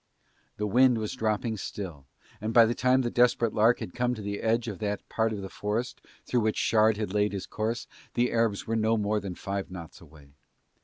The wind was dropping still and by the time the Desperate Lark had come to the edge of that part of the forest through which Shard had laid his course the Arabs were no more than five knots away.